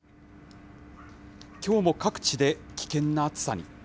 きょうも各地で危険な暑さに。